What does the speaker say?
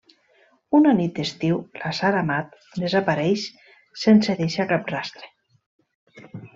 Una nit d'estiu la Sara Amat desapareix sense deixar cap rastre.